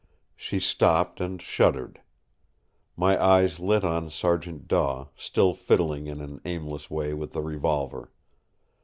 She stopped and shuddered. My eyes lit on Sergeant Daw, still fiddling in an aimless way with the revolver.